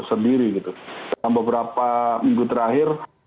sendiri gitu dalam beberapa minggu terakhir